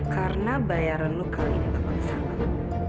karena bayaran lo kali ini nggak besar banget